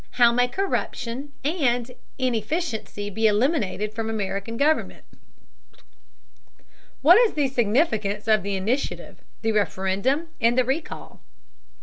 How may corruption and inefficiency be eliminated from American government? What is the significance of the Initiative, the Referendum, and the Recall?